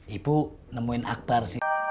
ibu nemuin akbar